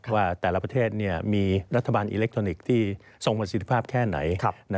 ว่าแต่ละประเทศมีรัฐบาลอิเล็กทรอนิกส์ที่ทรงประสิทธิภาพแค่ไหน